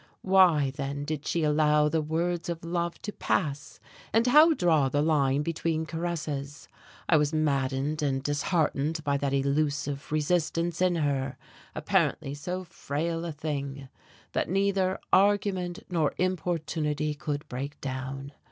Why, then, did she allow the words of love to pass? and how draw the line between caresses? I was maddened and disheartened by that elusive resistance in her apparently so frail a thing! that neither argument nor importunity could break down.